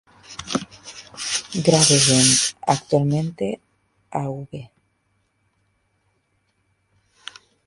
Gravesend, actualmente Av.